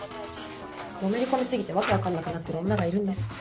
のめり込み過ぎて訳分かんなくなってる女がいるんです。